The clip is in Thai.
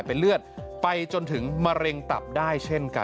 โปรดติดตามตอนต่อไป